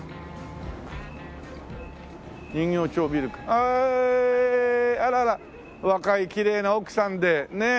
あらら若いきれいな奥さんでねえ。